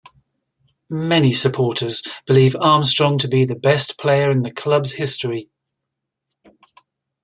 Many supporters believe Armstrong to be the best player in the club's history.